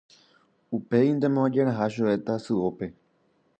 Upéguintema ojeraha chupe tasyópe.